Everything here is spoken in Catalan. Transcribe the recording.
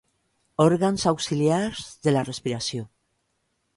Òrgans auxiliars de la respiració.